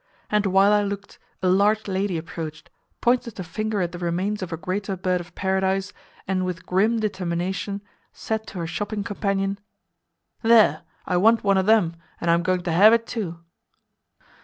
And while I looked, a large lady approached, pointed her finger at the remains of a greater bird of paradise, and with grim determination, said to her shopping companion: "There! I want one o' them, an' I'm agoin' to have it, too!"